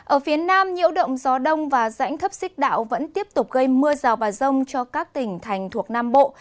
ở phía nam nhiễu động gió đông và rãnh thấp xích đạo vẫn tiếp tục gây mưa rào và rông cho các tỉnh thành thuộc nam bộ